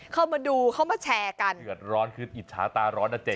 เข้ามาดูเข้ามาแชร์กันเดือดร้อนคืออิจฉาตาร้อนนะเจ๊